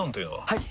はい！